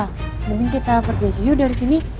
syah mungkin kita pergi aja yuk dari sini